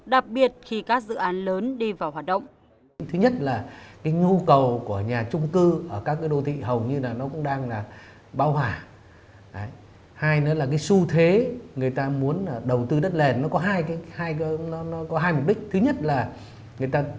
đặc biệt khi các dự án lớn đi vào hoạt động